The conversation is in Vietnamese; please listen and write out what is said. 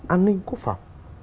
an ninh quốc phòng